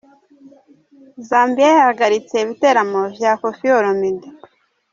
Zambia yahagaritse ibiteramo vya Koffi Olomide.